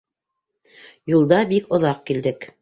Юлда бик оҙаҡ килдек.